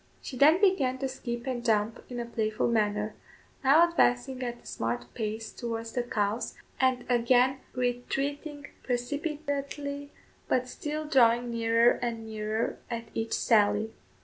She then began to skip and jump in a playful manner; now advancing at a smart pace towards the cows, and again retreating precipitately, but still drawing nearer and nearer at each sally.